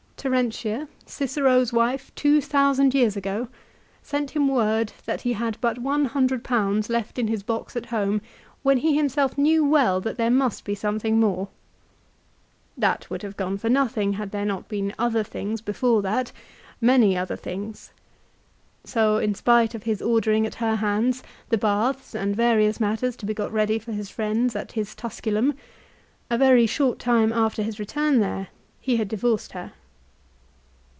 Terentia, Cicero's wife two thousand years ago, sent him word that he had but 100 left in his box at home, when he himself knew well that there must be something more. That would have gone for nothing, had there not been other things before that, many other things. So in spite of his ordering at her hands the baths and various matters to be got ready for his friends at his Tusculum, a very short time after his return there he had divorced her.